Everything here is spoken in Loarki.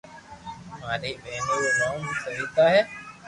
ماري پتني روو نوم سويتا ھي